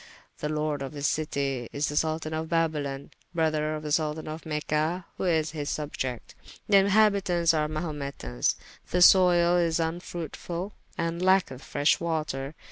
The lord of this citie is the Soltan of Babylon, brother to the Soltan of Mecha, who is his subiecte. The inhabitauntes are Mahumetans. The soyle is vnfruitfull, and lacketh freshe water.